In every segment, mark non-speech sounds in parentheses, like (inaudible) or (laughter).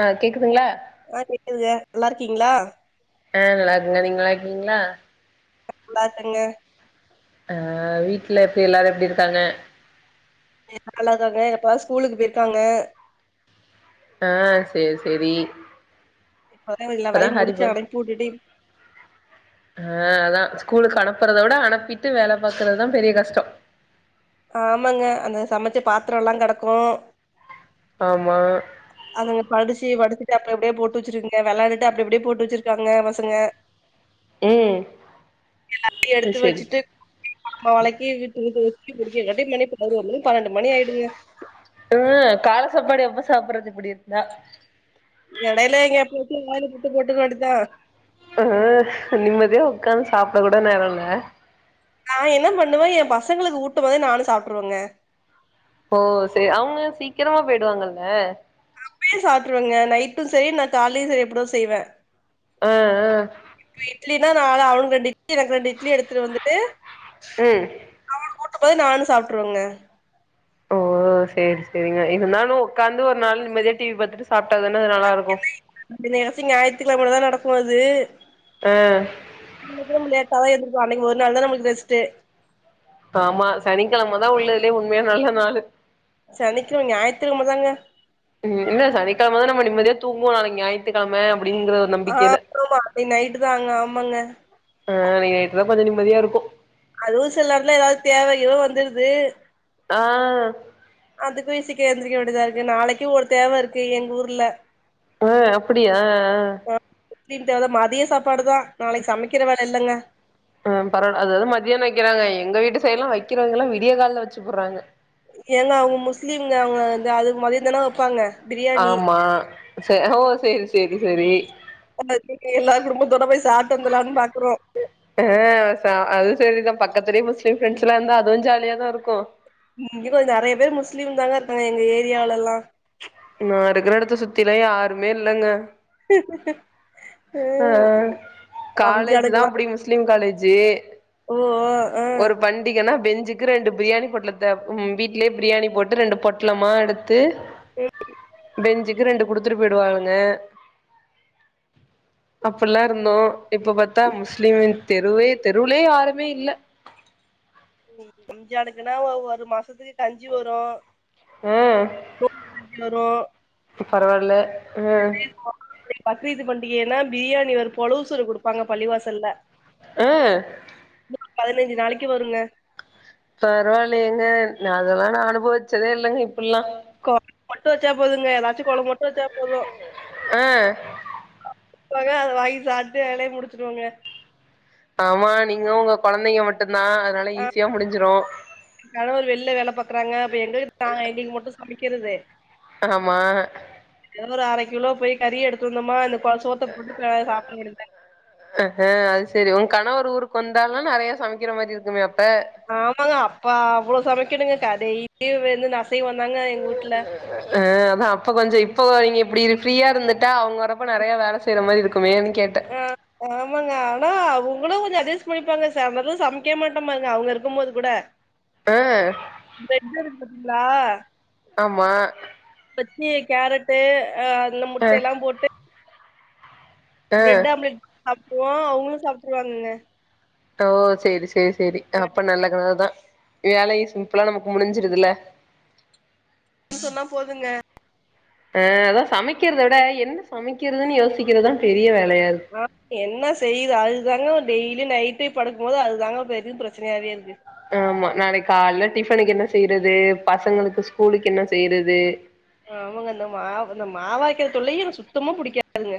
ஆ கேக்குதுங்ளா ஆ கேக்குதுங்க நல்லா இருக்கீங்ளா ஆ நல்லாருக்குங்க நீங்க நல்லாருக்கீங்ளா நல்லாருக்கேங்க ஆ வீட்ல எப்பிடி எல்லாரு எப்டி இருக்காங்க நல்லா தாங்க எப்பா ஸ்கூலுக்கு போயிருக்காங்க ஆ சேரி சேரி இப்பதா எல்லா வேலயு முடிச்சு அனுப்பியுட்டுடு ஆ அதா ஸ்கூலுக்கு அனுப்புறத விட அனுப்பிட்டு வேல பாக்குறதுதா பெரிய கஷ்டோ ஆமாங்க அந்த சமச்ச பாத்ரலா கெடக்கு ஆமா அதுங்க படிச்சி படுத்துட்டு அப்டி அப்டியே போட்டு வச்சிருகுங்க வெளாண்டுட்டு அப்டி அப்டியே போட்டு வச்சிருக்காங்க பசங்க ம் எல்லாத்தியு எடுத்து சேரி வச்சிட்டு சாமா வளைக்கி வீட்டு வீட்டு வச்சு முடிக்ககாட்டி மணி பதினோரு மணி பனண்டு மணி ஆயிடுங்க அ கால சாப்பாடு எப்ப சாப்பிர்றது இப்டி இருந்தா எடைல எங்கியா போத்தி வாயல புட்டு போட்டுக்க வேண்டிதா ஆ நிம்மதியா ஒக்காந்து சாப்ட கூட நேர இல்ல நா என்ன பண்ணுவே ஏம் பசங்களுக்கு ஊட்டும் போதே நானு சாப்டுருவோங்க ஓ சே அவுங்க சீக்கிரமா போய்டுவாங்கல்ல அப்பயே சாப்ட்ருவங்க நைட்டு செரி நா கால்லையு செரி இப்பிடிதா செய்வே ஆ ஆ இப்ப இட்லினா நா அதா அவனுக்கு ரெண்டு இட்லி எனக்கு ரெண்டு இட்லி எடுத்துட்டு வந்துட்டு ம் அவனுக் ஊட்டும் போது நானு சாப்ட்ருவங்க ஓ சேரி சேரிங்க இருந்தாலு ஒக்காந்து ஒரு நாள் நிம்மதியா டிவி பாத்துட்டு சாப்டா தான அது நல்லாருக்கு (unintelligible) ஞாயித்து கிழமதா நடக்கு அது அ (unintelligible) கிழம லேட்டாதா எந்திருப்போ அன்னக்கி ஒரு நாள்தா நமக்கு ரெஸ்டே ஆமா சனிக்கெழமதா உள்ளதுலியே உண்மையா நல்ல நாளு சனிக்கெழ்ம ஞாயித்துகெழமதாங்க ம் இல்ல சனிக்கெழமதான நம்ம நிம்மதியா தூங்குவோ நாளைக் ஞாயித்துக்கெழம அப்படிங்கிற ஆ ப்ரோமா நீ நைட்டுதாங்க ஆமாங்க ஆ அன்னைக் நைட்டுதா கொஞ்ச நிம்மதியாருக்கு அதுவு சிலர்லா ஏதாவது தேவ கீவ வந்துருது ஆ அதுக்கு இ சிக்க எந்திரிக்க வேண்டியதாருக்கு நாளைக்கு ஒரு தேவ இருக்கு எங்கூர்ல அ அப்டியா அ ஆ தின் தேவதா மதிய சாப்பாடுதா நாளைக் சமைக்கிற வேல இல்லங்க ஆ பரவால அதாவது மதியான வக்கிறாங்க எங்க வீட்டு சைட்லா வக்கிறாங்கலா விடிய கால்ல வச்சுபுர்றாங்க ஏங்க அவுங்க முஸ்லீங்க அவுங்க இந்த அதுக் மொதையேத் ஆம்மா சே ஓ சேரி சேரி செரி (unintelligible) எல்லாரு குடும்பத்தோட போய் சாப்ட்டு வந்தல்லான் பாக்கறோ ஆ ச அது செரிதா பக்கத்திலே முஸ்லீம் ப்ரெண்ட்ஸ்லா இந்தா அதுவு ஜாலியதா இருக்கு ம் இங்க கொஞ்ச நெறைய பேர் முஸ்லீம் தாங்க இருக்காங்க எங்க ஏரியால எல்லா நா இருக்கற எடத்த சுத்திலா யாருமே இல்லங்க ஆ காலேஜ்தா ரம்ஜானுக்கெல்லாம் அப்டி முஸ்லிம் காலேஜு ஓ ஆ ஒருப் பண்டிகன்னா பெஞ்சுக்கு ரெண்டு பிரியாணி பொட்லத்த ம் வீட்லே பிரியாணி போட்டு ரெண்டு பொட்லமா எடுத்து சே இ பெஞ்சுக்கு ரெண்டு குடுத்துட்டு போயிடுவாளுங்க அப்பல்லா இருந்தோ இப்ப பாத்தா முஸ்லீமின் தெருவே தெருவுலே யாருமே இல்ல ம் ரம்ஜானுக்குனா ஒ ஒரு மாசத்துக்கு கஞ்சி வரு ஆ (unintelligible) பரவால்ல ஆ பே பக்ரீத்து பண்டிகைனா பிரியாணி ஒரு பொழவுசூறு குடுப்பாங்க பள்ளிவாசல்ல அ பதினஞ்சி நாளைக்கு வருங்க பரவால்லையேங்க நா அதலா நா அனுபவிச்சதே இல்லங்க இப்புல்லா கொழம்பு மட்டு வச்சா போதுங்க ஏதாச்சு கொழம்ப மட்டு வச்சா போது ஆ அழகா அதவாங்கி சாப்புட்டு வேலைய முடிச்சுடுவங்க ஆமா நீங்க உங்க கொழந்தைங்க மட்டுந்தா அதனால ஈஸியா முடிஞ்சிரு எ கணவர் வெளில்ல வேல பாக்குறாங்க அப்ப எங்களுக்கு நாங்க எங்களுக்கு மட்டு சமைக்கிறது ஆமா ஏதோ ஒரு அர கிலோ போய் கறி எடுத்து வந்தோம்மா இந்த க சோத்த போட்டு ஆ சாப்பிட வேண்டியதா ஆ ஆ அது சரி உ கணவரு ஊருக்கு வந்தாலு நெறைய சமைக்கிற மாதிரி இருக்குமே அப்ப ஆமாங்க அப்ப அவ்வளோ சமைக்கணங்க கதைய வந்து அசைவோ தாங்க எங்க வீட்டுல ஆ அதா அப்ப கொஞ்சு இப்போ நீங்க இப்டி ஃப்ரீயா இருந்துட்டா அவங்க வறப்ப நெறைய வேல செய்ற மாரி இருக்குமேன்னு கேட்ட ஆ ஆமாங்க ஆனா அவங்களு கொஞ்சு அட்ஜஸ் பண்ணிப்பாங்க சாம்பது சமைக்கவே மாட்ட பாருங்க அவங்க இருக்கும் மோது கூட ஆ பிரெட் இருந்ததுங்களா ஆமா வெச்சி கேரட்டு அ அந்த அ முட்ட எல்லா போட்டு அ பிரெட் ஆம்லெட் சாப்டுவோ அவங்களு சாப்டுருவாங்கங்க ஓ செரி செரி செரி அப்ப நல்லக் கணவர் தா வேலையு சிம்பிளா நமக்கு முடிஞ்சிருதுல்ல சொன்னா போதுங்க ஆ அதா சமைக்கிறத விட என்ன சமைக்கிறதுன்னு யோசிக்கிறது தா பெரிய வேலையா இருக்கு ஆ என்ன செய்யுது அது தாங்க டெய்லியு நைட் போயி படுக்கும் போது அதுதாங்க பெரிய பிரச்சனையாவே இருக்கு ஆமா நாளிக்கு கால்ல டிஃபனுக்கு என்ன செய்யறது பசங்களுக்கு ஸ்கூலுக்கு என்ன செய்யறது ஆமாங்க அந்த மாவு இந்த மாவரைக்கிற தொல்லையே எனக்கு சுத்தமா புடிக்காதுங்க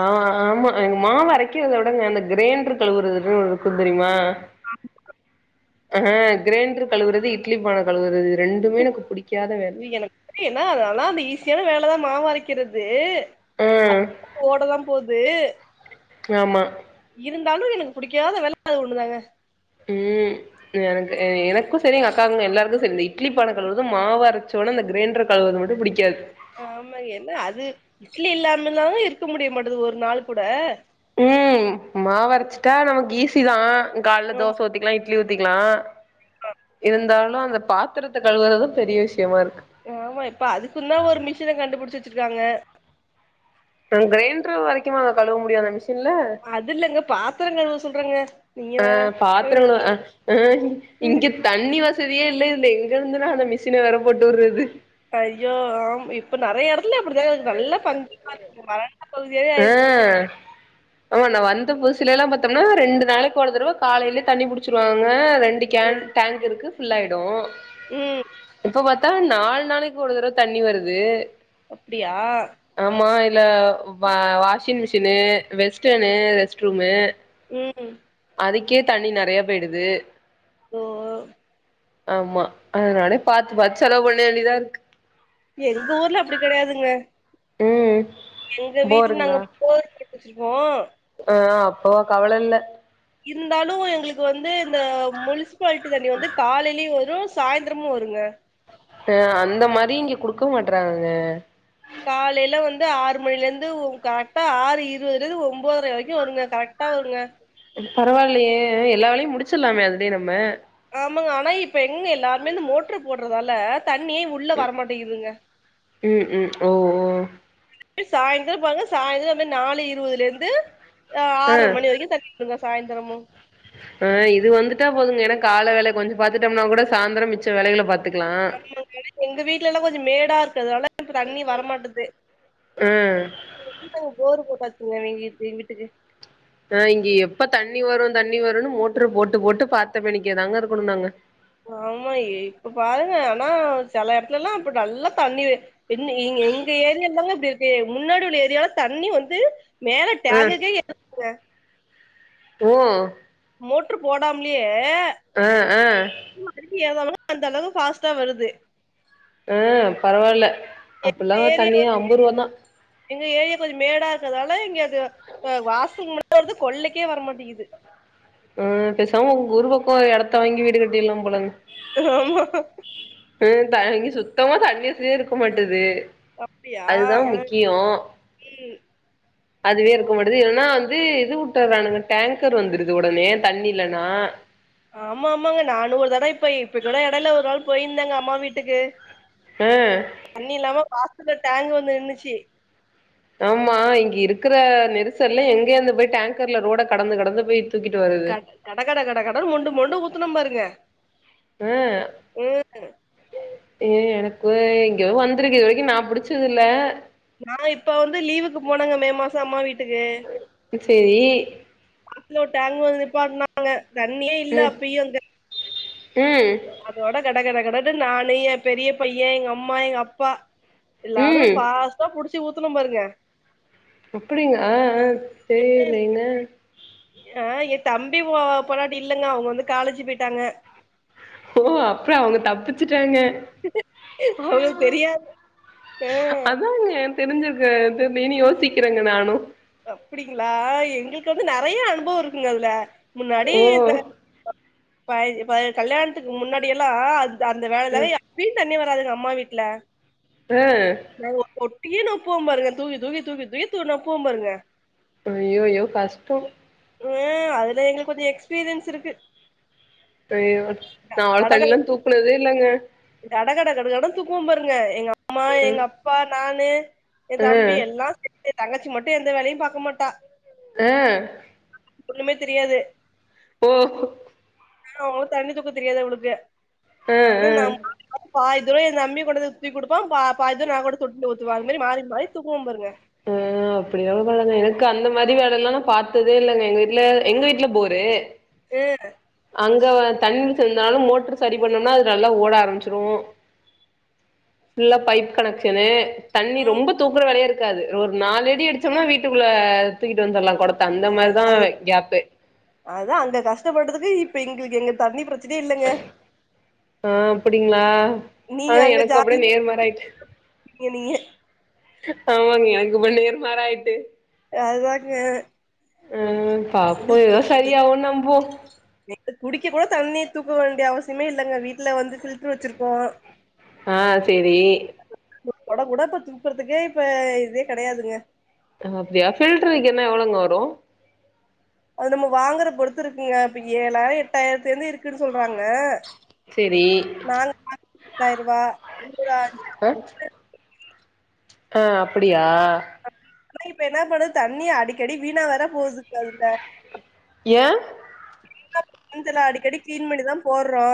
ஆ ஆமா எங்க மாவு அரைக்கிறத விடங்க அந்த கிரேண்டர் கழுவுறதுன்னு இருக்கு தெரியமா ஆ கிரேண்டரு கழுவுறது இ இட்லீ பான கழுவுறது இது ரெண்டுமே எனக்கு புடிக்காத வேல இது எனக்கு என்னா ஆனா அந்த ஈஸியான வேலதா மாவரைக்கிறது ஆ அ ஓட தா போது ஆமா இருந்தாலு எனக்கு புடிக்காத வேல அது ஒண்ணு தாங்க உம் எனக்கு எனக்கு செரி எங்க அக்காவுங்க எல்லாருக்கு செரி இந்த இட்லி பான கழுறது மாவு அரைச்சோன அந்த கிரைண்டரு கழுவுரது மட்டு புடிக்காது ஆமா என்ன அது இட்லி இல்லாமல்லான் இருக்க முடிய மாட்டங்குது ஒரு நாள் கூட உம் மா வரைச்சுட்டா நமக்கு ஈசிதா காலையில ஆம் தோச ஊத்திக்கலா இட்லி ஊத்திக்கலா இருந்தாலு அந்த பாத்திரத்தை கழுவுறதுதா பெரிய விஷியமா இருக்கு ஆமா இப்ப அதுக்குன் தா ஒரு மிஷின கண்டுபுடிச்சு வச்சிருக்காங்க கிரைண்டரு வரைகுமா கழுவ முடியு அந்த மிஷின்ல அது இல்லங்க பாத்திரங்க கழுவ சொல்றங்க நீங்க ஆ வேற பாத்தரங்க கழுவ ஆ அ இங்க தண்ணி வசதியே இல்ல இதுல எங்க இருந்துன்னா அந்த மிஷின வேற போட்டு உடுறது ஐய்யோ ஆ இப்ப நறைய எடத்துல அப்படிதா நல்ல பஞ்சு மாரி இருக்கு பகுதியாவே ஆ ஆயிருச்சு போல ஆமா நா வந்த புதுசில எல்லா பாத்தோம்னா ரெண்டு நாளைக்கு ஒரு தடவ காலையிலயே தண்ணி புடிச்சிருவாங்க ரெண்டு கேன் டேங்க் இருக்கு ஃபுல் ஆயிடு உம் இப்ப பாத்தா நாலு நாளைக்கு ஒரு தடவ தண்ணி வருது அப்படியா ஆமா இதுல washing machine western rest room ம் அதுக்கே தண்ணி நெறையா பேய்டுது ஓ ஆமா அதனாலே பாத்து பாத்து செலவு பண்ணவேண்டியதா இருக்கு எங்க ஊர்ல அப்டி கெடையாதுங்க ம் எங்க வீட்ல போருங்களா நாங்க போர் போட்டு வச்சிருப்போ ஆ அப்போ கவலல்ல இருந்தாலு எங்ளுக்கு வந்து இந்த முனிசிபால்ட்டி தண்ணி வந்து காலைலயு வரு சாய்ந்திரமு வருங்க ஆ அந்த மாரி இங்க குடுக்க மாட்றாங்கங்க காலைல வந்து ஆறு மணில இந்து கரெக்டா ஆறு இருவதுல இருந்து ஒன்பதர வரைக்கு வருங்க கரெக்டா வருங்க பரவால்லையே எல்லாவேலையு முடிச்சிர்லாமே அதுலயே நம்ம ஆமாங்க ஆனா இப்ப எங்க எல்லாருமே இந்த மோட்ரு போடுறதால தண்ணியே உள்ள வரமாட்டேங்குதுங்க ம் ம் ம் ஓ ஓ சாய்ந்தரோ பாருங்க சாய்ந்தரோ வந்து நாலு இருவதுல இருந்து ஆ ஆற்ர மணி வரைக்கு தண்ணி இங்க சாய்ந்தரமு அ இது வந்துட்டா போதுங்க ஏனா கால வேல கொஞ்சோ பாத்துட்டம்னா கூட சாந்துரோ மிச்ச வேலைகள பாத்துக்கலா எங்க வீட்ல எல்லா கொஞ்சோ மேடா இருக்குறதுனால தண்ணி வரமாட்டது ஆ (unintelligible) போரு போட்டா இங்க எ எங் வீட்டுக்கு அ இங்க எப்ப தண்ணி வரு தண்ணி வருன்னு மோட்ரு போட்டு போட்டு பாத்த மேனிக்கே தாங்க இருக்கனு நாங்க ஆமா இப்ப பாருங்க ஆனா செல எடத்துலலா இப்ப நல்லா தண்ணி என் இங் எங்க ஏரியால்ல தாங்க இப்டி இருக்கு முன்னாடி உள்ள ஏரியால தண்ணி வந்து மேல ஆ டங்குக்கே ஏறுதுங்க ஓ மோட்ரு போடாமல்யே அ அ அடிக்க (unintelligible) அந்த அளவு ஃபாஸ்ட்டா வருது அ பரவால்ல எங்க அப்பல்லா ஏரியா தண்ணியே வந்து அம்பரூவா தா எங்க ஏரியா கொஞ்சோ மேடா இருக்கறதால இங்க அது அ வாசிங் முன்ன வருது கொள்ளைக்கே வரமாட்டேகுது ம் பேசாம உங்க ஊரு பக்கோ எடத்த வாங்கி வீடு கட்டிட்லா போலங்க ஆமா ம் தண்ணி சுத்தமா தண்ணி வசதியே இருக்க மாட்டது அப்டியா அதுதா அ முக்கியோ ம் அதுவே இருக்க மாட்டது எல்லா வந்து இது வுட்டுறானுங்க டேங்கர் வந்துரு இது ஒடனே தண்ணி இல்லனா ஆமா ஆமாங்க நானு ஒரு தட இப்ப இப்ப கூட எடைல ஒரு நாள் போயிருந்தங்க அம்மா வீட்டுக்கு அ தண்ணி இல்லாம வாசல்ல டேங்க் வந்து நின்னுச்சு ஆமா இங்க இருக்கிற நெரிசல்ல எங்கேயந்து போய் டேங்கர்ல ரோட கடந்து கடந்து போயி தூக்கிட்டு வருது கட கட கட கட கடன் மோண்டு மோண்டு ஊத்துனம் பாருங்க அ ம் ஏ எனக்கு இங்க வந்துருக்கு இது வரைக்கு நா புடிச்சதுல்ல நா இப்ப வந்து லீவுக்கு போனங்க மே மாசோ அம்மா வீட்டுக்கு சேரி காத்துல ஒரு டேங்க் வந்து நிப்பாட்னாங்க தண்ணியே இல்ல ம் அப்பயு அங்க ம் அதோட கட கட கடன்னு நானு எ பெரிய பைய எங்க அம்மா எங்க அப்பா எல்லாரு ம் ஃபாஸ்டா புடிச்சி ஊத்துனம் பாருங்க அப்படிங் ஆ ஆ தெரியலையேங்க. ஆ எ தம்பி ஒ பொண்டாட்டி இல்லங்க அவுங்க வந்து காலேஜி போயிட்டாங்க. ஓ அப்பற அவங்க தப்பிச்சுட்டாங்க உங்களுக் தெரியாது ஆ தெரிஞ்சுக்குற (unintelligible) யோசிக்கறங்க நானு அப்டிங்களா எங்களுக்கு வந்து நறைய அனுபவோ இருக்குங்க அதுல முன்னாடி ஓ இந்த பய் பய கல்யாணத்துக்கு முன்னாடி எல்லா ல அந்த வேலை ஆ (inaudible) ஃபிரீ தண்ணி வராதுங்க அம்மா வீட்ல அ அ ஒர் பொட்டியே நப்புவாம் பாருங்க தூக்கி தூக்கி தூக்கி தூக்கி து நப்புவாம் பாருங்க. அய்யொய்யோ கஷ்டோ. அ அதுல எங்குளுக்கு கொஞ்சோ எக்ஸ்பீரியன்ஸ் இருக்கு. அய்யோ நா அவ்ள் கட தண்ணில்லா தூக்குனதே இல்லங்க. கட கட கட கடன் தூக்குவம் பாருங்க எங்க அம்மா எங்க அப்பா நானு. எந் ஆ ஆ தம்பி எல்லா (inaudible) தங்கச்சி மட்டு எந்த வேலையும் பாக்க மாட்டா. அ. (inaudible) ஒண்ணுமே தெரியாது. ஓ ஹொ‌. ஆஅவ தண்ணி தூக்க தெரியாது அவளுக்கு ஹ நம் பாதி தூர என் தம்பி கொண்டு வந்து தூக்கி குடுப்பா பாதி தூரம் நா கொண்டு தொட்டில ஊத்துவ அது மாரி மாரி தூக்குவ பாருங்க அப்படியே வளந்தவதாங் க எனக்கு அந்த மாதிரி வேலைல்லா நா பாத்ததே இல்லங்க எங்க வீட்ல எங்க வீட்ல போரு அ அங்க தண்ணி (unintelligible) மோட்டரு சரி பண்ணோம்னா அது நல்லா ஓட ஆரம்பச்சிரு ஃபுல்லா பைப் கனெக்சனு தண்ணி ம் ரொம்ப தூக்குற வேலையே இருக்காது ஒரு நாலு அடி அடிச்சோம்னா வீட்டுக்குள்ள தூக்கிட்டு வந்துர்லா இப்ப அந்த அ மாரிதா அது கேப்பே அதா அங்க கஷ்டப்பட்டதுக்கு இப்ப எங்களுக்கு எங்க தண்ணி பிரச் அ அப்டிங்ளா ஆனா எனக்கு அப்படியே நேர் மாறா ஆய்ட்டு குனிய ஆமாங்க எனக்கு இப்ப நேருமாறாயிட்டு அதுதாங்க ம் பாப்போ எங்களுக்கு ஏதோ எங்களுக்கு சரியாகுன் நம்புவோ குடிக்க கூட தண்ணிய தூக்க வேண்டிய அவசியமே இல்லங்க வீட்டுல வந்து பில்ட் கிர் வச்சிருக்கோ ஆ சேரி ம் கொடம் கூட தூக்குறதுக்கே இப்ப இதே கெடையாதுங்க அ அப்டியா பில்டர் வைக்கன்னா எவ்ளோங்க வரு அது நம்ம வாங்குற பொறுத்து இருக்குங்க இப்ப ஏழாயிரம் எட்டாயிரத்துல இருந்து இருக்குன் சொல்றாங்க செரி அ (inaudible) ஆ அப்பிடியா அப்டி இப்டி இப்ப என்ன பண்ணுது தண்ணி அடிக்கடி வீணா வேர போதுங்க அதுல ஏன் (inaudible) அடிக்கடி கிளீன் பண்ணிதா போட்றோ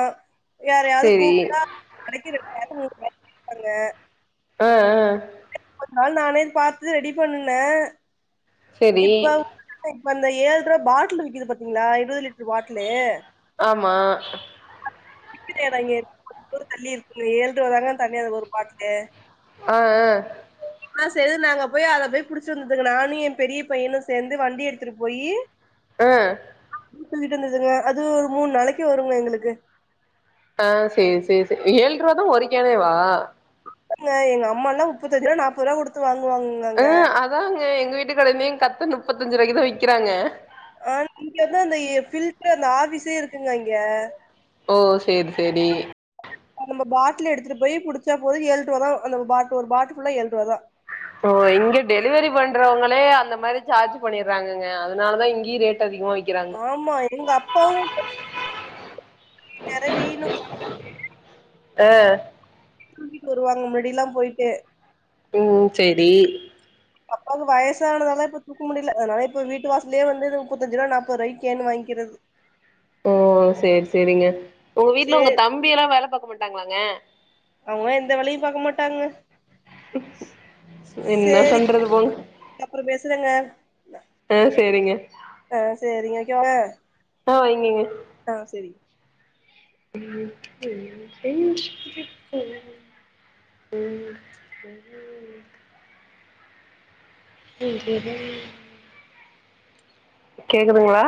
யாரையாவ்து சேரி கூப்ட்டா. அடிக்கி ரெண்டாயிரொ மூவாயிரங் கேப்பாங்க. அ அ அதுனால் நானே பாத்து ரெடி பண்ணுனே. சேரி இப்ப இப்ப அந்த ஏழ்ருவா பாட்லு விக்குது பாத்திங்ளா இருவது லிட்ரு பாட்லு. ஆமா. (inaudible) எடோ இங்க இரு (inaudible) தூரோ தள்ளி இருக்குங்க ஏழ்ருவாதாங்க அந்த தண்ணி அது ஒரு பாட்லு. அ அ. (inaudible) ன்னா சேது நாங்க போய் அத போய் புடிச்சு வந்ததுங்க நானு எம் பெரிய பையனு சேந்து வண்டி எடுத்துட்டு போயி அ. (inaudible) வந்ததுங்க அது ஒரு மூண் நாளைக்கு வருங்க எங்குளுக்கு. ஆ சே சே சே ஏழ்ருவாதா ஒரு கேனேவா? (inaudible) எங்க அம்மால்லா முப்பத்தஞ்சு ரூபா நாப்பது ரூபா குடுத்து வாங்குவாங்கங்க அங்க ஆமாங்க எங்க வீட்டு (unintelligible) கத்து முப்பத்தஞ்சு ரூபாய்க்கி தா விக்கிறாங்க ஆ இங்க வந்து அந்த ஃபில்டர் அந்த ஆபீஸே இருக்குங்க இங்க ஓ சேர் சேரி. நம்ப பாட்லு எடுத்துட்டு போயி புடிச்சா போது ஏழ்ருவாதா அந்த பாட் ஒரு பாட்லு ஃபுல்லா ஏழ்ருவாதா. ஓ இங்க டெலிவரி பண்றவங்களே அந்த மாரி சார்ஜ் பண்ணிர்றாங்கங்க. அதுனாலதா இங்கியு ரேட் அதிகமா வி ஆமா எங்க அப்பாவு போயி நெர வீணு அ. தூக்கிட்டு வருவாங்க முன்னடியெல்லாம் போயிட்டு. ம் சேரி. அப்பாவுக்கு வயசானதால இப்ப தூக்க முடில அதனால இப்ப வீட்டு வாசல்லியே வந்து இது முப்பத்தஞ்சுருவா நாப்புருவாய்க் கேனு வாய்ங்கிறது. (inaudible) ஓ சேர் சேரிங்க உங்க வீட்ல உங்க சேர் தம்பி எல்லா வேல பாக்க மாட்டாங்களாங்க? அவுங்களா எந்த வேலயு பாக்க மாட்டாங்க. என்ன சேரி (inaudible) பண்றது போங்க அப்புற பேசுறங்க நா ஆ சேரிங்க. ஆ சேரிங்க. வெக்கவாங்க? ஆ வெய்ங்கங்க. ஆ செரிங்க. உம் ம் உஹம் உக கேக்குதுங்ளா?